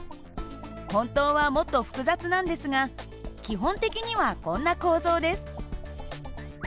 本当はもっと複雑なんですが基本的にはこんな構造です。